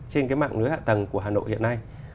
trên cái mạng lưới hạ tầng của hà nội hiện nay